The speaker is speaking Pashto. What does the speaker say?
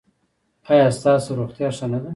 ایا ستاسو روغتیا ښه نه ده؟